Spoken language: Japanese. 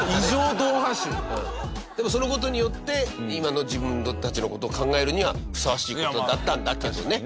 でもその事によって今の自分たちの事を考えるにはふさわしい事だったんだけどね。